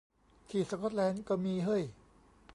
ที่สก๊อตแลนด์ก็มีเห้ย